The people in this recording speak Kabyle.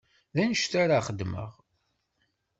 D anect-a ara xeddmeɣ.